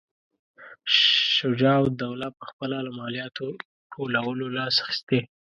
شجاع الدوله پخپله له مالیاتو ټولولو لاس اخیستی.